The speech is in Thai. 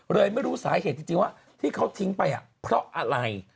ไม่รู้สาเหตุจริงว่าที่เขาทิ้งไปเพราะอะไร